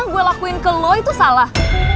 gue lakuin ke lo itu salah